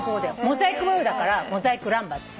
モザイク模様だからモザイクランバって。